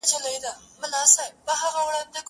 ٫د خدای د پاره کابل مه ورانوی٫